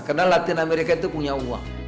karena latin amerika itu punya uang